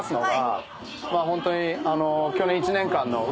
ホントに。